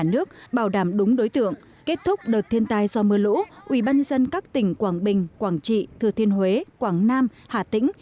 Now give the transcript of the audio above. nhà nước bảo đảm đúng đối tượng kết thúc đợt thiền tài do mưa lũ ubnd các tỉnh quảng bình quảng trị thư thiên huế quảng nam hà tĩnh